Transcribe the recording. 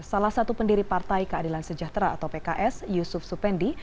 salah satu pendiri partai keadilan sejahtera atau pks yusuf supendi